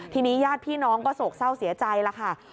ทีนี้ญาติพี่น้องก็โศกเศร้าเสียใจแล้วค่ะ